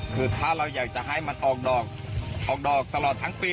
คือถ้าเราอยากจะให้มาออกดอกออกดอกตลอดทั้งปี